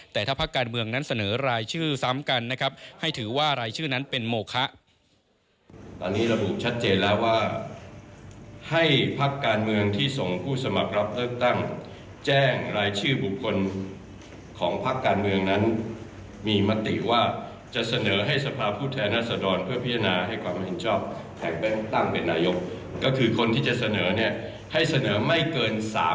แต่ถ้าพักการเมืองนั้นเสนอรายชื่อซ้ำกันนะครับให้ถือว่ารายชื่อนั้นเป็นโมคะ